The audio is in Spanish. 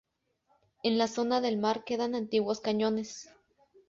En la zona del mar quedan antiguos cañones.